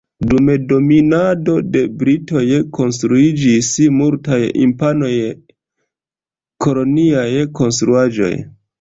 Dum dominado de britoj konstruiĝis multaj imponaj koloniaj konstruaĵoj.